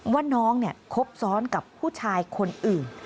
ว่าน้องคบซ้อนกับผู้ชายคนอื่น